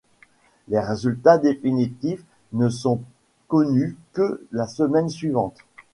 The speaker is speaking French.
Les résultats définitifs ne sont connus que la semaine suivante.